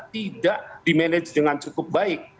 tidak dimanage dengan cukup baik